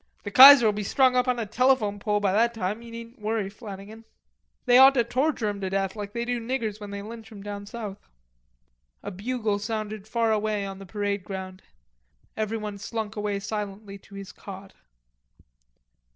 "The Kaiser'll be strung up on a telephone pole by that time; ye needn't worry, Flannagan." "They ought to torture him to death, like they do niggers when they lynch 'em down south." A bugle sounded far away outside on the parade ground. Everyone slunk away silently to his cot.